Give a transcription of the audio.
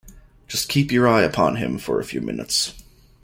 Just keep your eye upon him for a few minutes.